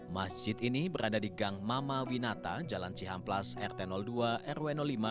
masjid ini berada di gang mama winata jalan cihamplas r satu ratus dua rw lima